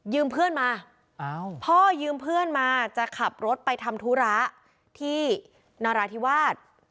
เพื่อนมาพ่อยืมเพื่อนมาจะขับรถไปทำธุระที่นราธิวาส